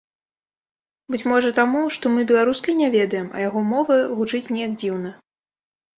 Быць можа таму, што мы беларускай не ведаем, а яго мова гучыць неяк дзіўна.